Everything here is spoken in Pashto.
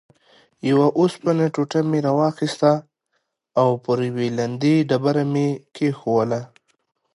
یوه اوسپنه ټوټه مې راواخیسته او پر یوې لندې ډبره مې کېښووله.